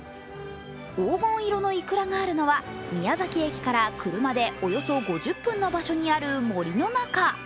黄金色のイクラがあるのは宮崎駅から車でおよそ５０分の場所にある森の中。